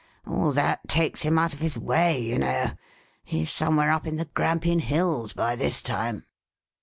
All that takes him out of his way, you know ; he's somewhere up in the Grampian Hills by this time."